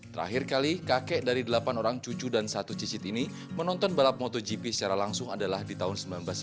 terakhir kali kakek dari delapan orang cucu dan satu cicit ini menonton balap motogp secara langsung adalah di tahun seribu sembilan ratus sembilan puluh